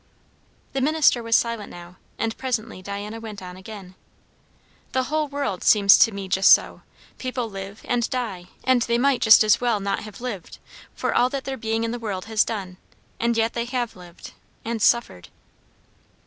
The minister was silent now, and presently Diana went on again. "The whole world seems to me just so. People live, and die; and they might just as well not have lived, for all that their being in the world has done. And yet they have lived and suffered."